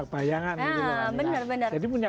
bayangan benar benar jadi punya